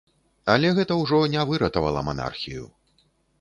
Але гэта ўжо не выратавала манархію.